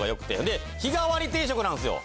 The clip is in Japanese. で日替わり定食なんすよ。